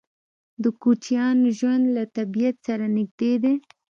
د کوچیانو ژوند له طبیعت سره نږدې دی.